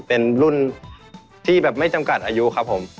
เป็นรุ่นที่แบบไม่จำกัดอายุครับผม